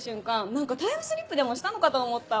何かタイムスリップでもしたのかと思ったわ。